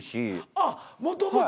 あっもともと。